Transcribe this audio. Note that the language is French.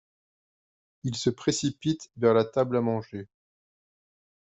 Il se précipite vers la table à manger.